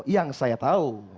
yang saya tahu